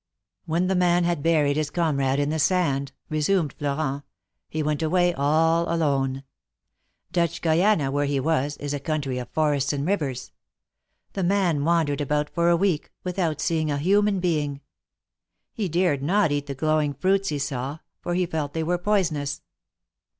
When the man had buried his comrade in the sand," resumed Florent, ''he went away all alone. Dutch Guiana, where he was, is a country of forests and rivers. The man wandered about for a week, without seeing a human being. He dared not eat the glowing fruits he saw, for he felt they were poisonous.